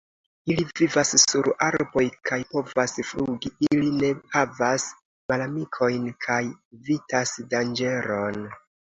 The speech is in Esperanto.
Ili vivas sur arboj kaj povas flugi, ili ne havas malamikojn kaj evitas danĝeron.